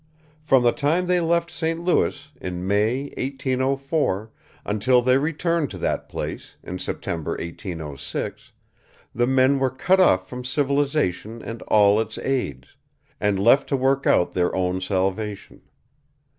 From the time they left St. Louis, in May, 1804, until they returned to that place, in September, 1806, the men were cut off from civilization and all its aids, and left to work out their own salvation.